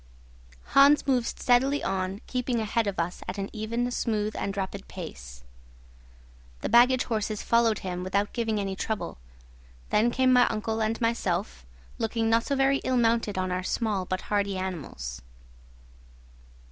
Hans moved steadily on, keeping ahead of us at an even, smooth, and rapid pace. The baggage horses followed him without giving any trouble. Then came my uncle and myself, looking not so very ill mounted on our small but hardy animals.